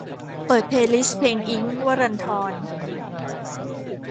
เปิดเพลย์ลิสต์เพลงอิ๊งค์ วรันธร